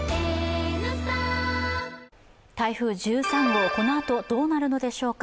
台風１３号、このあとどうなるのでしょうか。